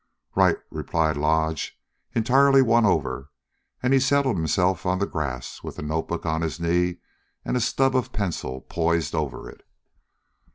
"Right," replied Lodge, entirely won over, and he settled himself on the grass, with the notebook on his knee and a stub of a pencil poised over it.